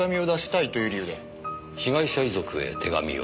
被害者遺族へ手紙を。